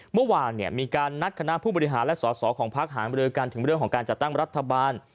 เมื่อวานมีการนัดคณะผู้บริหารและสอสอของภักดิ์หารเมืองการจัดตั้งรัฐบาล